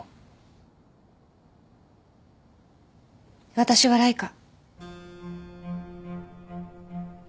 私はライカ。